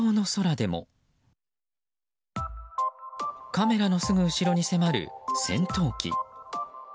カメラのすぐ後ろに迫る戦闘機。